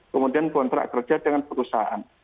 kemudian kontrak kerja dengan perusahaan